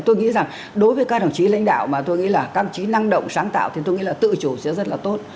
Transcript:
tôi nghĩ rằng đối với các đồng chí lãnh đạo mà tôi nghĩ là các đồng chí năng động sáng tạo thì tôi nghĩ là tự chủ sẽ rất là tốt